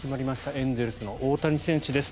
エンゼルスの大谷選手です。